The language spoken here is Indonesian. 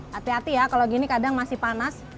hati hati ya kalau gini kadang masih panas